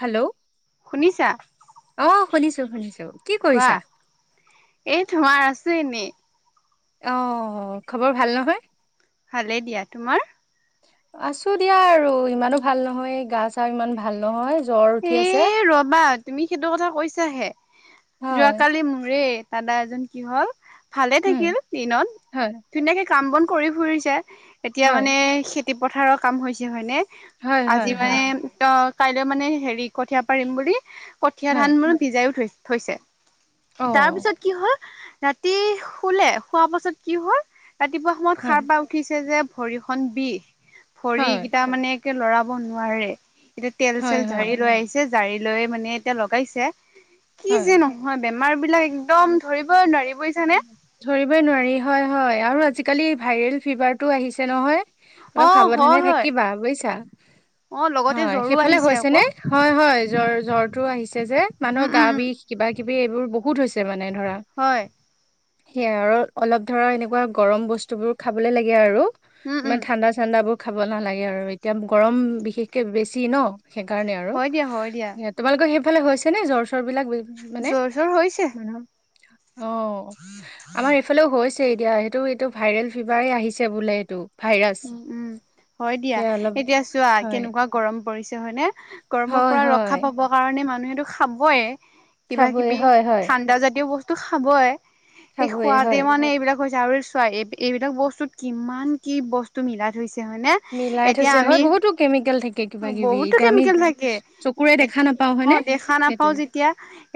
Hello. শুনিছা। অ শুনিছো শুনিছো, কি কোৱা কৰিছা এই তোমাৰ আছে এনেই, অ খবৰ ভাল নহয়? ভালেই দিয়া। তোমাৰ? আছো দিয়া আৰু, ইমানো ভাল নহয় গা চা ইমান ভাল নহয়। জ্বৰ উঠি এ আছে ৰবা তুমি সেইটো কথা কৈছাহে, হয় যোৱাকালি মোৰে, দাদা এজন কি হ'ল ভালে উম থাকিল দিনত হয় ধুনীয়াকে কাম বন কৰি ফুৰিছে। এতিয়া হয় মানে খেতি পথাৰৰ কাম হৈছে হয়নে হয় আজি হয় হয় মানে ত কাইলৈ মানে হেৰি কঠীয়া পাৰিম বুলি, কঠীয়া হয় ধান মানে ভিজাইও থৈ থৈছে। অ তাৰ পিছত কি হল, ৰাতি শুলে শোৱা পাছত কি হল, ৰাতিপুৱা সময়ত হয় সাৰ পাই উঠিছে যে ভৰিখন বিষ, হয় ভৰিকিটা মানে লৰাব নোৱাৰে। এতিয়া তেল চেল হয় হয় ঝাৰি লৈ আহিছে, জাৰি লৈ মানে এতিয়া লগাইছে। কি হয় যে নহয়, বেমাৰ বিলাক একদম ধৰিবই নোৱাৰি। বুজিছানে ধৰিবই নোৱাৰি হয়-হয় আৰু আজিকালি ভাইৰেল ফিভাৰতটো আহিছে নহয়। অ অলপ সাৱধানে হয় হয় থাকিবা বুইছা। অ লগতে হয় জ্বৰো সেইফালে আহিছে হৈছে আকৌ নে? হয় হয় জ্বৰ জ্বৰ আহিছে যে উম মানুহৰ গা উম উম বিষ কিবা কিবি এইবোৰ বহুত হৈছে মানে। হয়। সেয়া আৰু অলপ ধৰা এনেকুৱা গৰম বস্তু বোৰ খাবলে লাগে আৰু। উম উম ইমান ঠাণ্ডা চাণ্ডা বোৰ খাব নালাগে আৰু এতিয়া গৰম বিশেষকে বেছি ন। সেইকাৰণে আৰু হয় দিয়া হয় দিয়া এয়া তোমালোকৰ সেইফালে হৈছে নে জ্বৰ চ বিলাক মানে জ্বৰ চৰ হৈছে মানুহৰ অ'। আমাৰ এইফালেও [inaudible] এতিয়া হৈছে সেইটো এইটো ভাইৰেল ফিভাৰ আহিছে বোলে এইটো। ভাইৰাছ উ উম হয় দিয়া, সেয়া অলপ এতিয়া চোৱা হয় কেনেকুৱা গৰম পৰিছে হয়নে? গৰমৰ হয় পৰা হয় ৰক্ষা পাব কাৰণে মানুহেটো খাবয়ে। কিবা খাবই কিবি হয় হয় ঠাণ্ডা জাতীয় বস্তু খাবই সে খাবই খুৱাওতে হয় মানে এইবিলাক হৈছে আৰু চোৱা এই এইবিলাক বস্তুত কিমান কি বস্তু মিলাই থৈছে। হয় নে মিলাই এতিয়া থৈছে হয় আমি বহুতো কেমিকেল থাকে কিবা কিবি বহুতো এতিয়া আমি কেমিকেল থাকে চকুৰে দেখা এতি নাপাও হয়নে অহ দেখা নাপাওঁ সেইটোৱে যেতিয়া,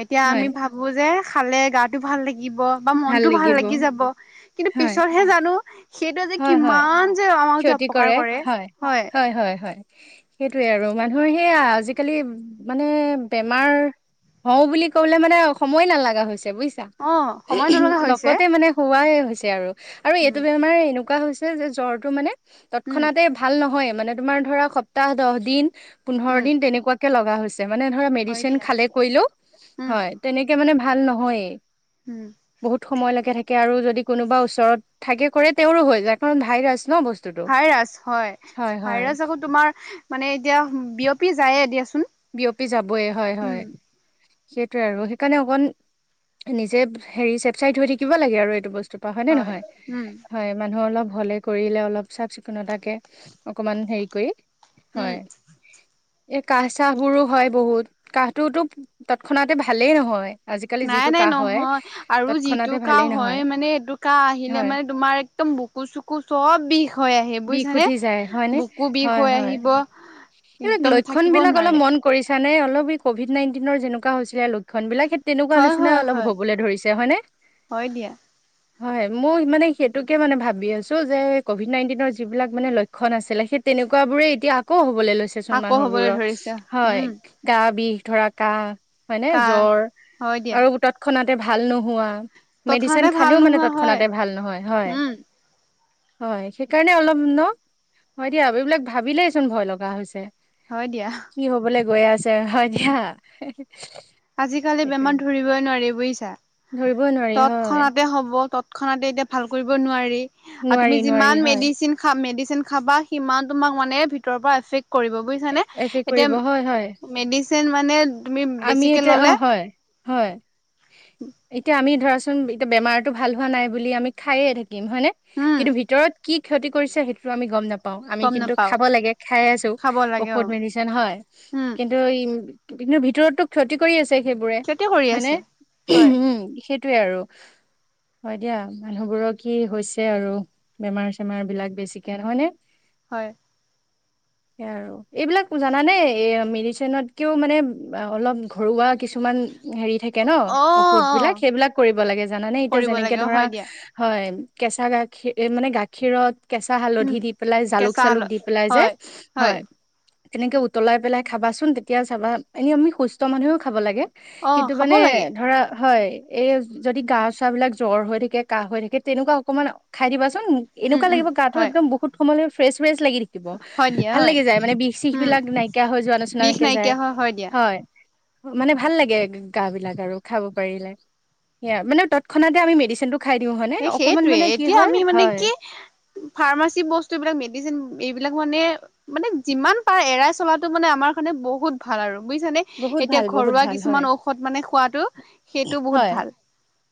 এতিয়া হয় আমি ভাবোঁ যে খালে গাত টো ভাল লাগিব, বা মনটো ভাল লাগি যাব, কিন্তু হয়, পিছতহে জানোঁ সেইটোৱে যে হয়, হয়, কিমান যে আমাক যে ক্ষতি অপকাৰ কৰে। হয়, হয় হয় হয়, সেইটোৱে আৰু মানুহৰ সেইয়া আজিকালি মানে বেমাৰ হওঁ বুলি কবলে মানে সময় নালাগা হৈছে। বুইছা, অ সময় নলগা হৈছে লগতে মানে হোৱাই হৈছে আৰু, আৰু এইটো উম বেমাৰ এনে এনেকুৱা হৈছে যে, জ্বৰটো মানে উম তৎক্ষণাতে ভাল নহয়, মানে তোমাৰ ধৰা সপ্তাহ দহ দিন পোন্ধৰ উম দিন তেনেকুৱাকে লগা হৈছে, মানে ধৰা হয় মেডিচিন দিয়া খালে কৈলেও উম হয়, তেনেকে মানে ভা ভাল নহয়েই, উম বহুত সময়লৈকে থাকে। কে আৰু যদি কোনোবা ওচৰত থাকে কৰে তেওঁৰো হৈ যায় কাৰণ ভাইৰাছ ন বস্তুটো। ভাইৰাছ, হয়, ভাইৰাছ আকৌ তোমাৰ মানে এতিয়া বিয়পি যায়ে দিয়াচো বিয়পি যাবয়ে, হয় হয়। সেইটোৱে আৰু। সেইকাৰণে অকন নিজে হেৰি চেফচাইট হৈ থাকিব লাগে আৰু এইটো বস্তু ৰ পা, হয় নে নহয়? হয়, মানুহ অলপ হলে কৰিলে অলপ চাফ চি কুণতাকে অকমান হেৰি কৰি উম। এহ কাহ-চাহ বোৰো হয় বহুত। কাহটোতো তৎক্ষণাতে ভালেই নহয়। আজিকালি নাই যিটো নাই কাহ হয় নহয়। আৰু যিটো তৎক্ষণাতে ভালেই কাহ নহয় হয় মানে এইটো কাহ আহিলে হয় মানে তোমাৰ একদম বুকু-চুকু চব বিষ হৈ আহে বিষ বুজিছানে উঠি যায়, হয় নে? বুকু বিষ হয় হৈ হয়। আহিব এইবিলাক একদম লক্ষণ থাকিব বিলাক অলপ নোৱাৰে মন কৰিছা নে অলপ এই কভিড নাইনটিনৰ যেনেকুৱা হৈছিলে লক্ষণ বিলাক সেই তেনেকুৱা হয় নিচিনায়ে হয় অলপ হয় হবলে ধৰিছে, হয়নে? হয় দিয়া হয়, মই মানে সেইটোকে মানে ভাবি আছো যে কভিড নাইটিনৰ যি যিবিলাক মানে লক্ষণ আছিলে সেই তেনেকুৱা বোৰে এতিয়া আকৌ হ বলে লৈছেচোন আকৌ হবলৈ মানুহবোৰৰ। ধৰিছে হয়, উম গা বিষ ধৰা কাহ হয়নে কাহ জ্বৰ হয় দিয়া আৰু তৎক্ষণাতে ভাল নোহোৱা। মেডিচিন তৎক্ষণাতে ভাল খালেও মানে নোহোৱা হয় তৎক্ষণাতে ভাল নহয়, হয়। উম হয়, সেইকাৰণে অলপ ন! হয় দিয়া এইবিলাক ভাবিলেইচোন ভয় লগা হৈছে। হয় দিয়া। কি হবলে গৈ আছে, হয় দিয়া। আজিকালি সেইটোৱে বেমাৰ ধৰিবই নোৱাৰি, বুইছা? ধৰিবই নোৱাৰি হয় তৎক্ষণাতে হ'ব তৎক্ষণাতে এতিয়া ভাল কৰিব নোৱাৰি। আৰু নোৱাৰি তুমি নোৱাৰি যিমান হয় মেডিচিন খা মেডিচিন খাবা সিমান তোমাক মানে ভিতৰৰ পৰা এফেক্ট কৰিব বুজিছানে, এফেক্ট এতিয়া কৰিব হয় হয় মেডিচিন মানে তুমি আমি বেছি অ হয়, হয় এতিয়া আমি ধৰাচোন এতিয়া বেমাৰটো ভাল হোৱা নাই বুলি আমি খাইয়ে থাকিম হয় নে উম কিন্তু ভিতৰত কি ক্ষতি কৰিছে সেইটোতো আমি গম নাপাওঁ। পাও আমি গম কিন্তু নাপাও খাব লাগে খাই আছো খাব লাগে অ ঔষধ মেডিচিন হয় উম কিন্তু ই কিন্তু ভিতৰতটো ক্ষতি কৰি আছে সেইবোৰে ক্ষতি কৰি হয়নে? আছে হয় উম সেই টোয়ে আৰু। হয় দিয়া মানুহবোৰৰ কি হৈছে আৰু বেমাৰ চেমাৰ বিলাক বেছিকে নহয় নে? হয়। সেয়ে আৰু এইবিলাক জানানে এ মেডিচিনতকেও মানে বা অলপ ঘৰুৱা কিছুমান হেৰি থাকে। থাকে ন অ ঔষধ অ বিলাক সেইবিলাক কৰিব লাগে জানানে এতিয়া কৰিব যেনেকে লাগে ধৰা হয় দিয়া হয় কেঁচা গাখীৰ এ মানে গাখীৰত কেঁচা হালধি উম দি পেলাই জালুক কেঁচা চালুক হালত দি পেলাই যে হয় হয় তেনেকে উতলাই পেলাই খাবাচোন তেতিয়া চাবা এনে আমি সুস্থ মানুহেও খাব লাগে। অ কিন্তু খাব মানে লাগে ধৰা হয় এই যদি গা চা বিলাক জ্বৰ হৈ থাকে কাহ হৈ থাকে তেনেকুৱা অকমান খাই দিবা উম এনেকুৱা লাগ উম গাটো হয় একদম বহুত সময় ফ্ৰেচ ফ্ৰেছ লাগি থাকিব হয় দিয়া ভাল হয় লাগি যায় মানে বিষ শিষ উম বিলাক নাইকিয়া হৈ যোৱা নচনা বিষ একে যায় নাইকিয়া হয় হয় দিয়া হয় মানে ভাল লাগে গা বিলাক আৰু খাব পাৰিলে সেয়া মানে তৎক্ষণাতে আমি মেডিচিনটো খাই দিওঁ হয়নে স অকমান সেইটয়ে মানে কি এতিয়া হয় আমি মানে হয় কি ফাৰ্মাচী বস্তু বিলাক মেডিচিন এইবিলাক মানে মানে যিমান পাৰ এৰাই চলাাতটো মানে আমাৰ কাৰানে বহুত ভাল আৰু বুজিছানে বহুত এতিয়া ভাল বহুত ঘৰুৱা ভাল হয় কিছুমান ঔষধ মানে খোৱাতটো সেইটো বহুত হয় ভাল।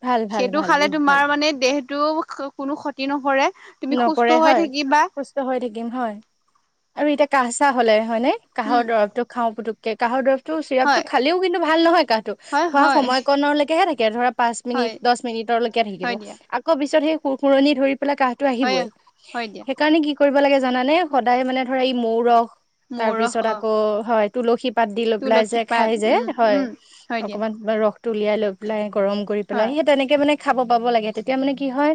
ভাল ভাল সেইটো ভাল খালে বহুত ভাল তোমাৰ মানে দেহটো কোনো ক্ষতি নকৰে তুমি সুস্থ নকৰে হৈ হয় থাকিবা সুস্থ হৈ থাকিম হয় আৰু এতিয়া কাহ চাহ হলে হয় নে কাঁহৰ উম দৰবটো খাওঁ পুতুকে কাঁহৰ দৰব ত চিৰাপ টো হয় খালিও কিন্তু ভাল নহয় কাহটো হয় খোৱা হয় সময়কণলৈকেহে থাকে ধৰা পাঁচ মিনিট হয় দহ মিনিটলৈকে থাকিব, হয় দিয়া আকৌ পিছত সেই সুৰ সুৰনি ধৰি পেলাই কাঁহ হয় আহিবই হয় দিয়া সেইকাৰণে কি কৰিব লাগে জানানে সদায় মানে ধৰা এই মৌ ৰস মৌ তাৰ ৰস পিছত অ আকৌ হয় তুলসী পাত দি লৈ পেলাই যে তুলসী পাত খাই যে উম হয় উম হয় দিয়া অকমান ৰস উুলিয়াই লৈ পেলাই গৰম কৰি পেলাই হয় সিহ তেনেকে মানে খাব পাব লাগে তেতিয়া মানে কি হয়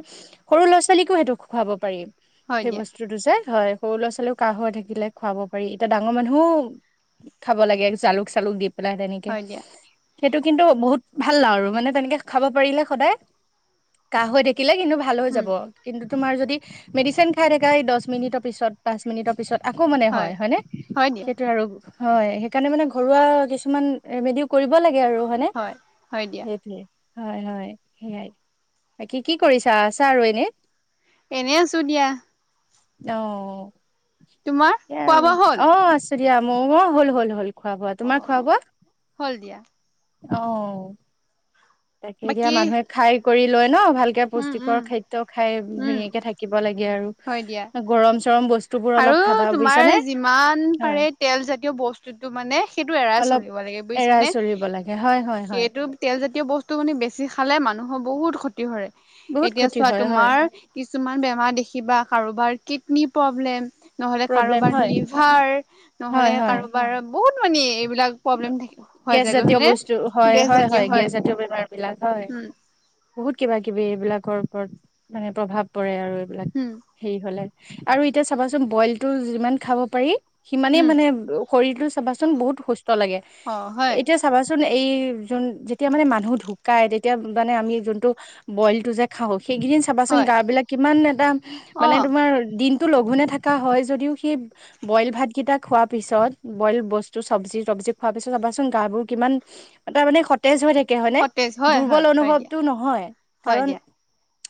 সৰু ল'ৰা ছোৱালীকো সেইটো খোৱাব পাৰি হয় সেই দিয়া বস্তুটো যে হয় সৰু ল'ৰা ছোৱালীও কাহ হৈ থাকিলে খুৱাব পাৰি এতিয়া ডাঙৰ মানুহও খাব লাগে জালুক চালুক দি পেলাই তেনেকে হয় দিয়া সেইটো কিন্তু বহুত ভাল আৰু মানে তেনেকে খাব পাৰিলে সদায় কাঁহ হৈ দে থাকিলে কিন্তু ভাল হৈ উম যাব কিন্তু তোমাৰ যদি মেডিচিন খাই থাককা এই দহ মিনিটৰ পিছত পাঁচ মিনিটৰ পিছত আকৌ মানে হয় হয়নে হয় দিয়া সেইটো আৰু হয় সেইকাৰণে মানে ঘৰুৱা কিছুমান ৰেমেডি কৰিব লাগে আৰু হয়নে হয় হয় দিয়া সেইটোৱে হয় হয় সেইয়াই, বাকী কি কৰিছা? আছাআৰু এনে। এনেই আছো দিয়া [unintelligible] দ তোমাৰ খোৱা বোৱা হ'ল ম হল হল হল খোৱা বোৱা অ তোমাৰ খোৱা বোৱা হ'ল দিয়া অ তাকে দিয়য়া বাকী মানুহে খাই কৰি লয় ন ভালকে উম পুষ্টিকৰ উম খাদ্য খাই উম ধুনীয়াকে থাকিব লাগে আৰু হয় দিয়া গৰম চৰম বস্তু আৰু তোমাৰ যিমান হয় পাৰে তেল জাতীয় বস্তুতটো মানে সেইটো এৰাই অলপ চলিব লাগে এৰাই [unintelligible] চলিব লাগে হয় হয় হয় সেইটো তেলজাতীয় বস্তু মানে বেছি খালে মানুহৰ বহুত বহুত ক্ষতি কৰে বহুত এতিয়া ক্ষতি চোৱা হয় টো হয়। মাৰ কিছুমান বেমাৰ দেখিবা কাৰোবাৰ কিডনী প্ৰব্লেম নহলে প্ৰব্লেম কাৰোবাৰ হয়। লিভাৰ হয় নহ'লে হয় কাৰোবাৰ বহুত মানে এইবিলাক প্ৰব্লেম থ হয় গেছ জাতীয় যায়গৈ বস্তু হয় গেছ জাতীয় গেছ হয় জাতীয় বেমাৰ বিলাক হয় উম বহুত কিবা কিবি এইবিলাকৰ ওপৰত মানে প্ৰভাৱ পৰে আৰু এইবিলাক উম, হেৰি হলে আৰু এতিয়া চাবাচোন বইলতটো যিমান খাব পাৰি সিমানেই উম, মানে শৰীৰতটো চাবাচোন বহুত সুস্থ লাগে অ' হয়, এতিয়া চাবাচোন এই যোন যেতিয়া মানে মানুহ ঢুকাই তেতিয়া মানে আমি যোনটো বইল টো যে খাওঁ সেইকেইদিন চাবাচোন হয়, গা বিলাক কিমান এটা মানে অ' তোমাৰ দিন টো লঘোুনে থকা হয় যদিও সেই বইল ভাতকেইটা খোৱা পিছত বইল বস্তু ত চব্জি তব্জি খোৱা পিছত চাবাচোন গা বোৰ কিমান এ টা মানে সতেজ হৈ থাকে [unintelligible] হয়নে সতেজ হয়, দুৰ্বল হয়, হয় দিয়া, অনুভৱতটো নহয় হয় কাৰণ দিয়া,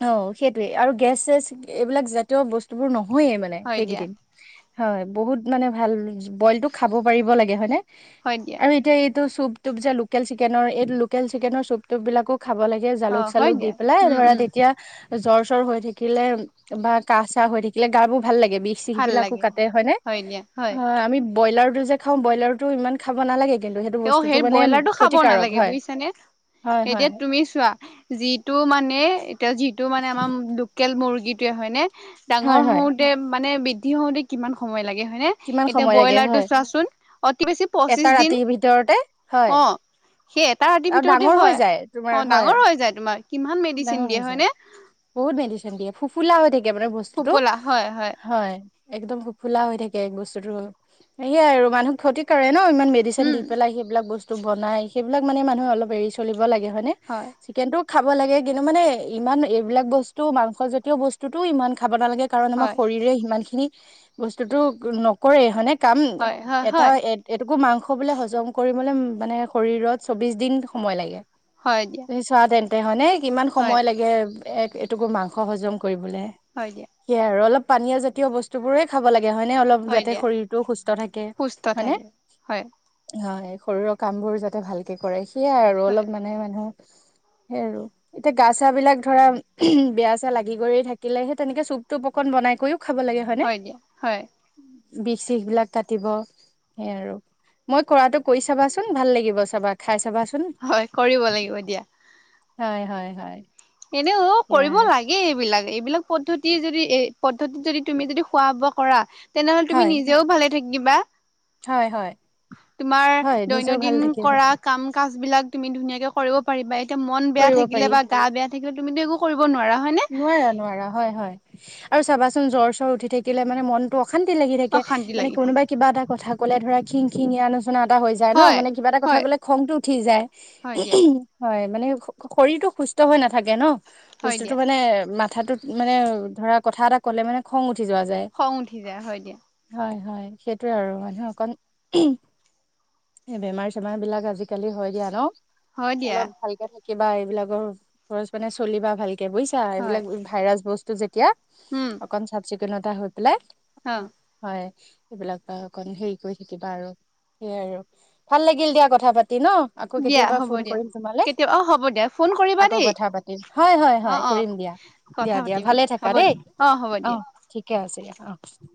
অ সেইটোৱে আৰু গেছ চেছ এইবিলাক জাতীয় বস্তুবোৰ নহয়ে মানে হয় দিয়া, সেইকেইদিন হয় বহুত মানে ভাল বইল টো খাব পাৰিব লাগে হয়নে হয় দিয়া, আৰু এতিয়া এইটো চুপ টোপ যে লোকেল চিকেনৰ এই লোকেল চিকেনৰ চুপ টোপ বিলাকো খাব লাগে জালুক অ' হয় চালুক দি দিয়া, পেলাই উম, ধৰা উম, তেতিয়া জ্বৰ চৰ হৈ থাকিলে বা কাহ, চাহ হৈ থাকিলে গা বোৰ ভাল লাগে বিষ চিষ ভাল বিলাক লাগে। কাটে হয়নে হয় দিয়া, হ হয়। আমি ব্ৰয়লাৰ টোযে খাও খাওঁ ব্ৰইলাৰটো ইমান খাব নালাগে কিন্তু সেইটো অ', বস্তুটো সেই মানে ব্ৰইলাৰটো খাব ক্ষতিকাৰক নালাগে হয় বুজিছ নে হয় এতিয়া হয় তুমি চোৱা যিটো মানে এ যিটো মানে আমাৰ লোকেল মুৰ্গীটোৱে হয় নে হয় ডাঙৰ হয় হওঁতে মানে ডি হওঁতে কিমান সময় লাগে হয় নে? কিমান এতিয়া সময় লাগে ব্ৰইলাৰটো হয় চোৱাচোন অতি বেছি পঁচিছ এটা দিন ৰাতিৰ ভিতৰতে, হয়। অ', সেই এটা ৰাতিৰ আৰু ভিতৰতে ডাঙৰ হৈ হয় যায় তোমাৰ অ হয় ডাঙৰ হৈ যায় তোমাৰ কিমান মেডিচিন ডাঙৰ দিয়ে হৈ যায় হয়নে বহুত মেডিচিন দিয়ে ফুফুলা হৈ থাক মানে বস্তুতটো ফোপোলা হয়, হয় একদমোফুলা হৈ থাকে বস্তুতো সেয়াই আৰু মানুহ ক্ষতি কৰে ন ইমান মেডিচিন উম। দি পেলাই সেইবিলাক বস্তু বাই সেইবিলাক মানে মানুহে অলপ এৰি চল ল হয় চিকেনটো ব লাগে কিন্তু মানে ইমান এইবিলাক বস্তু মাংস জাতীয় বস্তুতটো ইমান খাব নালাগে। কাৰণ আমাৰ হয়, শৰীৰে সিমান খিনি বস্তুতটো নকৰে হয়নে কাম হয়, হয়, এটা হয়, এটুকুৰ মাংস আকৌ বুলে হজম কৰিবলৈ মানে শৰীৰত চৌবিছ দিন সময় লাগে হয় দিয়া তাপিছত তাতে হনে কিমান হয়, সময় লাগে এক এটুকুৰ মাংস হজম কৰিবলৈ হয় দিয়া। সেইাই আৰু অলপ পানীয় জাতীয় বস্তু বোৰে খাব লাগে য়নে অলপ হয় যাতে দিয়া শৰীৰটো সুস্থ থাকে সুস্থ হয়নে? থাকে হয়, হয়। শৰীৰৰ কাম বোৰ যাতে ভালকে কৰে সেইয়াই আৰু হয়, অলপ মানে মানুহ সেই আৰু এতিয়া গা- চা বিলাক ধৰা বেয়া চে লাগি গয় থাকিলে সে তেনেকে চুপটোপ অকন বনাই কৰিও খাব লাগে হয়নে হয়, দিয়া হয়। বিষ, চিষ বিলাক কাটিব সেইয় আৰু মই কৰাতটো কৰি চাবাচোন ভাল লাগিব চাবা খাই চাবাচোন হয় কৰিব লাগিব দিয়া হয়, হয়। এনেও সেয়া কৰিব আৰু লাগে এইবিলাক এইবিলাক পদ্ধতি যদি এই পদ্ধতিত যদি তুমি যদি খোৱা বোৱা কৰা তেনেহ'লে তুমি হয় নিজেও ভালে হয় হয় তমাৰ হয় নিজেও দৈনন্দিন ভাল থাকিব কৰা কাম কাজ বিলাক ত ধুনীয়াকে কৰিব পাৰিবা এতিয়া মন বেয়া কৰিব থাকিলে পাৰি বা গা বেয়া থাকিলে তুমিতো একো কৰিব নোৱাৰা হয়নে নোৱাৰা, নোৱাৰা হয় হয়। আৰু চাবাচোন জ্বৰ চ্বৰ উঠি থাকিলে মানে মনতটো অশান্তি লাগি থাকে। অশান্তি মানে লাগি থাকে কোনোবাই কিবা এটা কথা ক'লে ধৰা খিং খিঙিয়া আনো চনা এটা হৈ যায় ন হয় মানে কিবা এটা কথা হয় কলে খংতটো উঠি যায় হয় দিয়া হয় মানে শৰীৰতটো সুস্থ হৈ নাথাকে ন হয়, দিয়া মাথাত মানে ধৰা কথা এ কলে মানে খং উ উঠি যোৱা যায় খং উঠি যায় হয় দিয়া হয় হয়, সেইটোোৱে আৰু মানহে অকণ এ বেমাৰ চেমাৰ বিলাক আজিকালি হয় দিয়া ন। হয় দিয়া অলপ ভালকে থাকিবা এইবিলাকৰ খৰচ মানে চলিবা ভালকে। বুজিছা হয় এইবিলাক ভাইৰাছ বস্তু যেতিয়া উম অকন চাফ চিকুণতা অ হয় এইবিলাক বা অকন হেৰি কৰি থাকিবা আৰু সেইয়াই আৰু ভাল লাগিল দিয়া কথা পাতি ন আকৌ দিয়া কেতিয়াবা হ'ব ফোন দিয়া কৰিম তোমালৈ কেতিয়াবা অ হ'ব দিয়া ফোন কৰিবা আকৌ দেই কথা পাতিম হয়, হয় অ হয়, অ কৰিম দিয়া, দিয়া, কথা দিয়া পাতিম ভালে থাকা হ'ব দেই দিয়া হ'ব দিয়া অ', ঠিকে ছে অ [unintelligible]